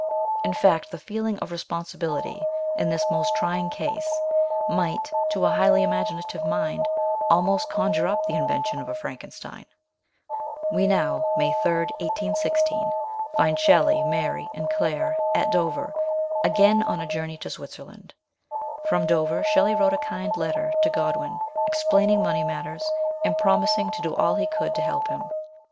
In fact, the feeling of respon sibility in this most trying case might, to a highly imaginative mind, almost conjure up the invention of a Frankenstein. We now (May 3, 1816) find Shelley, Mary, and Claire at Dover, again on a journey to Switzerland. From Dover Shelley wrote a kind letter to Godwin, explaining money matters, and promising to do all he could to help him.